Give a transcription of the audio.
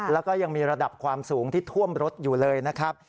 แล้วก็ยังมีระดับความสูงที่ท่วมรถอยู่เลยนะครับ